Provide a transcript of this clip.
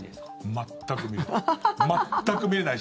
全く見れない。